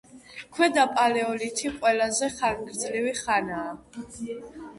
ქვედა პალეოლითი ყველაზე ხანგრძლივი ხანაა.